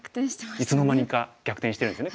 いつの間にか逆転してるんですね。